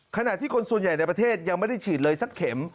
ขณะที่คนส่วนใหญ่ในประเทศยังไม่ได้ฉีดเลยสักเข็ม